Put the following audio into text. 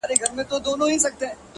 دا د کومو زمانو غېږ کې وسېږم